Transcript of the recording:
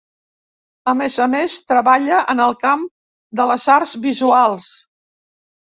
A més a més, treballa en el camp de les arts visuals.